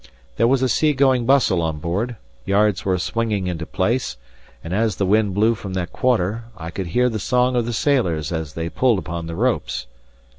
There was a sea going bustle on board; yards were swinging into place; and as the wind blew from that quarter, I could hear the song of the sailors as they pulled upon the ropes.